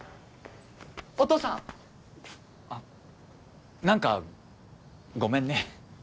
お父さんあ何かごめんね